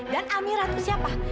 dan amira itu siapa